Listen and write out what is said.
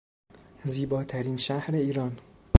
زیباترین شهر ایران